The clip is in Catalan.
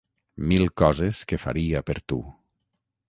Mil coses que faria per tu.